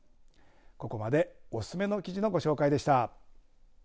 ここまでおすすめの記事のご紹介でした。